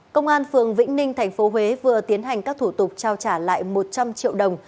công an phường vĩnh ninh tp huế vừa tiến hành các thủ tục trao trả lại một trăm linh triệu đồng